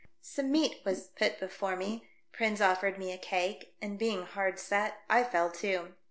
Some meat was put before me ; Prins offered me a cake, and, being hard set, I fell to.